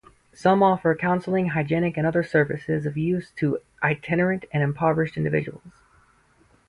Some offer counseling, hygienic and other services of use to itinerant and impoverished individuals.